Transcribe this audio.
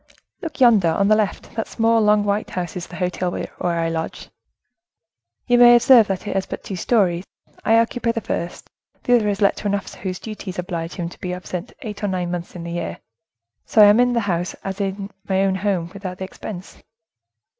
"Look yonder, on the left, that small, long white house is the hotel where I lodge. You may observe that it has but two stories; I occupy the first; the other is let to an officer whose duties oblige him to be absent eight or nine months in the year,—so I am in that house as in my own home, without the expense."